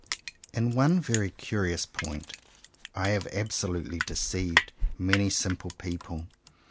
In one very curious point I have abso lutely deceived many simple people.